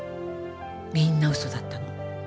みんな嘘だったの。